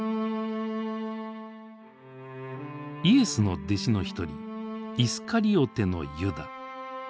イエスの弟子の一人イスカリオテのユダ。